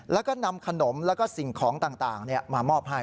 แล้วก็นำขนมแล้วก็สิ่งของต่างมามอบให้